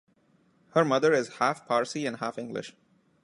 Her mother is half-Parsi and half-English.